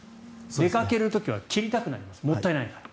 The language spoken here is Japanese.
出かける時は切りたくなりますもったいないから。